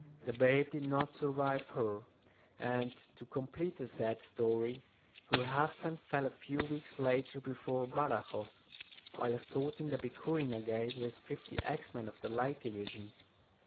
The babe did not survive her; and, to complete the sad story, her husband fell a few weeks later before Badajoz, while assaulting the Picurina Gate with fifty axemen of the Light Division.